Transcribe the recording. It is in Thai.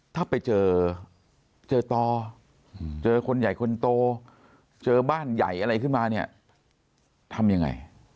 ถ้าไปเจอเจอต่อเจอคนใหญ่คนโตเจอบ้านใหญ่อะไรขึ้นมาเนี่ยทำยังไง